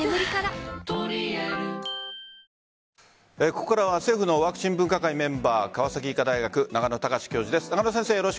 ここからは政府のワクチン分科会メンバー川崎医科大学中野貴司教授です。